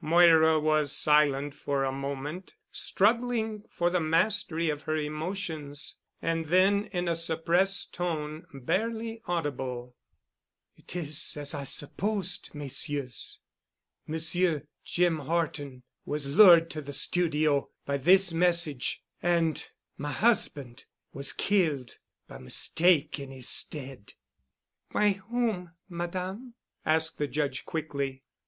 Moira was silent for a moment, struggling for the mastery of her emotions. And then in a suppressed tone, barely audible, "It is as I supposed, Messieurs. Monsieur Jim Horton was lured to the studio by this message and—my husband—was killed by mistake in his stead." "By whom, Madame?" asked the Judge quickly.